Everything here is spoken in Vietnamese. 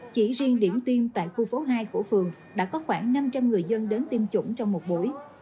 chỉ riêng điểm tiêm tại khu phố hai của phường đã có khoảng năm trăm linh người dân đến tiêm chủng trong một buổi